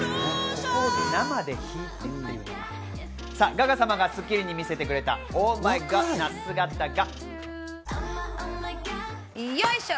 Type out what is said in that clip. ガガ様が『スッキリ』に見せてくれたをＯｈｍｙＧｏｄな姿が。